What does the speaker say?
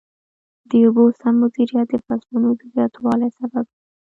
د اوبو سم مدیریت د فصلونو د زیاتوالي سبب ګرځي.